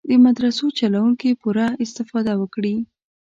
د مدرسو چلوونکي پوره استفاده وکړي.